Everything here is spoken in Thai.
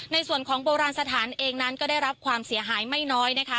ในส่วนของโบราณสถานเองนั้นก็ได้รับความเสียหายไม่น้อยนะคะ